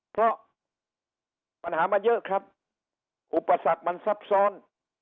เพราะปัญหามันเยอะครับอุปสรรคมันซับซ้อน